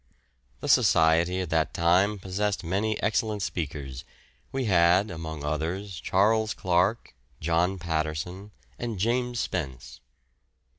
The Society at that time possessed many excellent speakers; we had among others Charles Clark, John Patterson, and James Spence.